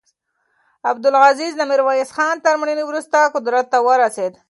عبدالعزیز د میرویس خان تر مړینې وروسته قدرت ته ورسېد.